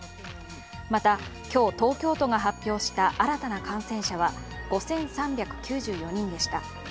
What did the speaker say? また、今日、東京都が発表した新たな感染者は５３９４人でした。